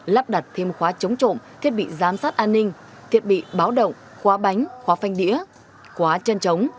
lắp đặt thêm khóa chống trộm thiết bị giám sát an ninh thiết bị báo động khóa bánh khóa phanh đĩa khóa chân trống